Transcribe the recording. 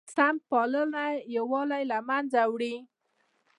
سمت پالنه یووالی له منځه وړي